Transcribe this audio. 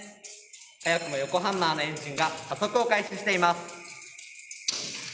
早くも横ハンマーのエンジンが加速を開始しています。